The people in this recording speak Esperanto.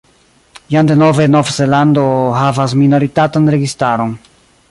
Jam denove Nov-Zelando havas minoritatan registaron.